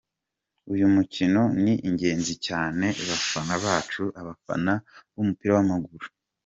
"Uyu mukino ni ingenzi cyane ku bafana bacu - abafana b'umupira w'amaguru.